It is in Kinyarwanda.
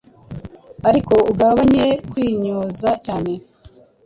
arko ugabanye kwimyoza cyane